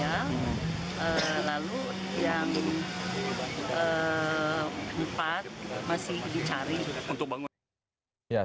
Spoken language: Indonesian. lalu yang empat masih dicari